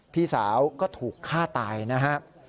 พี่สาวก็ถูกฆ่าตายนะฮะ